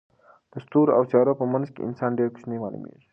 د ستورو او سیارو په منځ کې انسان ډېر کوچنی معلومېږي.